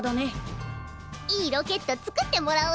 いいロケット造ってもらおうじゃない。